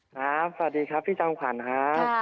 สวัสดีครับพี่จังขวัญค่ะ